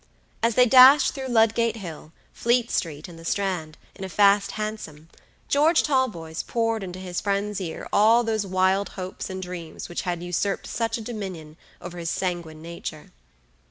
As they dashed through Ludgate Hill, Fleet street, and the Strand, in a fast hansom, George Talboys poured into his friend's ear all those wild hopes and dreams which had usurped such a dominion over his sanguine nature.